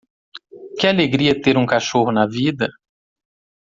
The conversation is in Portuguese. Que alegria ter um cachorro na vida?